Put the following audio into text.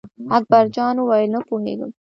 اکبر جان وویل: نه پوهېږم.